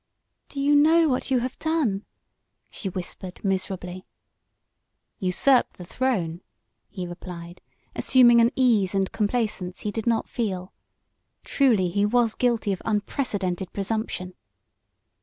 "Do you know what you have done?" she whispered, miserably. "Usurped the throne," he replied, assuming an ease and complacence he did not feel. Truly he was guilty of unprecedented presumption.